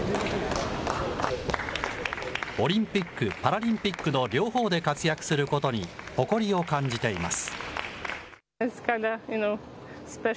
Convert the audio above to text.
オリンピック、パラリンピックの両方で活躍することに、誇りを感じています。